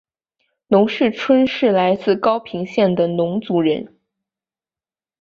农氏春是来自高平省的侬族人。